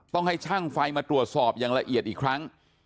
ต้องให้ช่างไฟมาตรวจสอบอย่างละเอียดอีกครั้ง